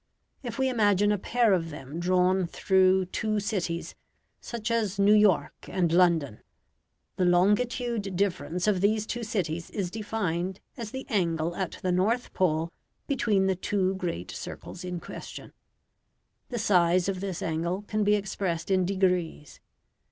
If we imagine a pair of them drawn through two cities, such as New York and London, the longitude difference of these two cities is defined as the angle at the North Pole between the two great circles in question. The size of this angle can be expressed in degrees.